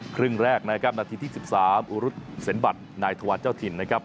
ครึ่งแรกนะครับนาทีที่๑๓อุรุษเซ็นบัตรนายธวารเจ้าถิ่นนะครับ